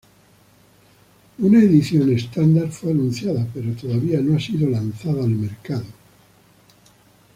Una edición estándar fue anunciada, pero todavía no ha sido lanzada al mercado.